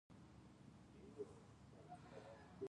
خو ستاينې به يې د ګران صاحب د غزل کولې-